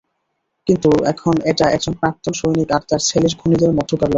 কিন্তু এখন এটা একজন প্রাক্তন সৈনিক আর তার ছেলের খুনিদের মধ্যকার লড়াই।